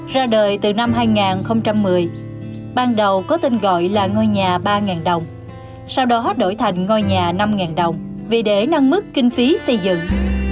ra đời từ năm hai nghìn một mươi ban đầu có tên gọi là ngôi nhà ba đồng sau đó đổi thành ngôi nhà năm đồng vì để nâng mức kinh phí xây dựng